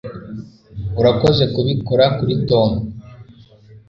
urakoze kubikora kuri tom